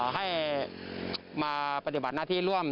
ให้มาปฏิบัติหน้าที่ร่วม